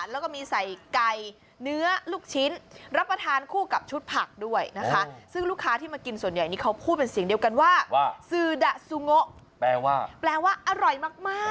แล้วก็มีใส่ไก่เนื้อลูกชิ้นรับประทานคู่กับชุดผักด้วยนะคะซึ่งลูกค้าที่มากินส่วนใหญ่นี้เขาพูดเป็นเสียงเดียวกันว่าซือดะซูโง่แปลว่าแปลว่าอร่อยมาก